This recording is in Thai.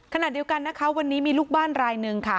ขณะเดียวกันนะคะวันนี้มีลูกบ้านรายหนึ่งค่ะ